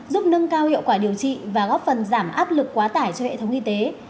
giúp nâng cao hiệu quả điều trị và góp phần giảm áp lực quá tải cho hệ thống y tế